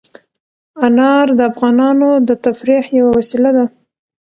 انار د افغانانو د تفریح یوه وسیله ده.